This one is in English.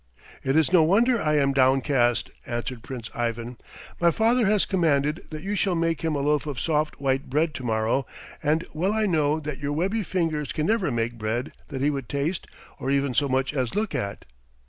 "It is no wonder I am downcast," answered Prince Ivan. "My father has commanded that you shall make him a loaf of soft white bread to morrow, and well I know that your webby fingers can never make bread that he would taste or even so much as look at."